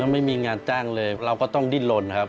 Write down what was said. ไม่มีงานจ้างเลยเราก็ต้องดิ้นลนครับ